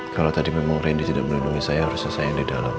kalau tadi memang randy tidak melindungi saya harus selesai yang di dalam